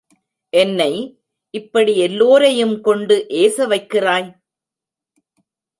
என்னை, இப்படி எல்லோரையும் கொண்டு ஏசவைக்கிறாய்?